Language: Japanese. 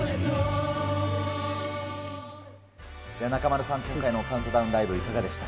中丸さん、今回のカウントダウンライブいかがでした？